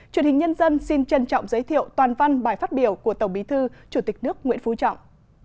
truyền hình nhân dân xin trân trọng giới thiệu toàn văn bài phát biểu của tổng bí thư chủ tịch nước nguyễn phú trọng